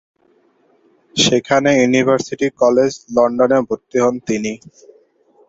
সেখানে university college লন্ডনে ভর্তি হন তিনি।